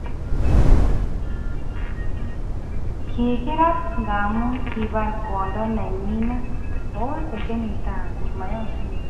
Kikirat ngamu kibar kwando ne nyinet